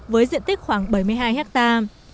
với diện tích khoảng bảy mươi hai hectare